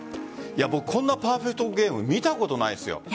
僕こんなパーフェクトゲーム見たことないですよ。